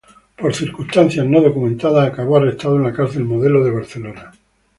Por circunstancias no documentadas, acabó arrestado en la cárcel Modelo de Barcelona.